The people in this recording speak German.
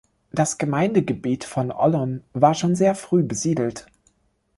Das Gemeindegebiet von Ollon war schon sehr früh besiedelt.